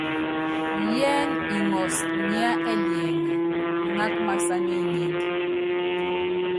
Yɛs ŋɔs kunya ɛliɛŋɛ iŋák masán iŋínd.